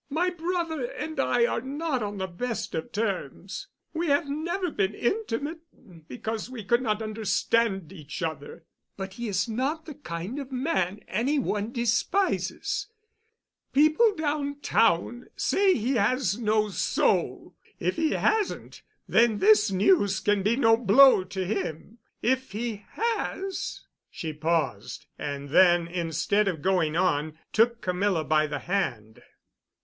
"My brother and I are not on the best of terms—we have never been intimate, because we could not understand each other. But he is not the kind of man any one despises. People downtown say he has no soul. If he hasn't, then this news can be no blow to him. If he has——" She paused. And then, instead of going on, took Camilla by the hand.